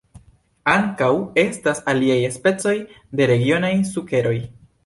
Ankaŭ estas aliaj specoj de regionaj sukeroj.